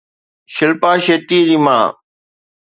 شلپا شيٽي جي ماءُ